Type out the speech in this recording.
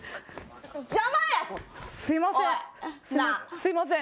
すみません。